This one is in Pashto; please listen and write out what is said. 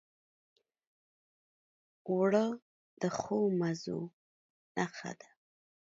اوړه د ښو مزو نښه ده